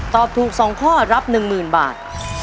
ตอบถูก๒ข้อรับ๑๐๐๐บาท